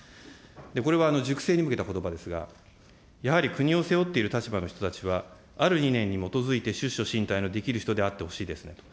これは塾生に向けたことばですが、やはり国を背負っている立場の人たちは、あらゆる理念について出処進退のできる人であってほしいですねと。